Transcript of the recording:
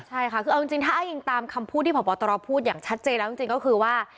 ใช่ค่ะคือเอาจริงถ้าอ้างอิงตามคำพูดที่พบตรพูดอย่างชัดเจนแล้วจริงก็คือว่า